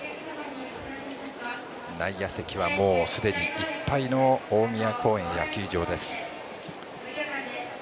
内野席はもうすでにいっぱいの大宮公園野球場です。